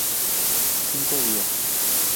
Cinco Días.